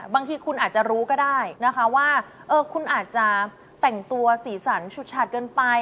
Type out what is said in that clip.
บางทีคุณอาจจะรู้ก็ได้นะคะว่าคุณอาจจะแต่งตัวสีสันฉุดฉาดเกินไป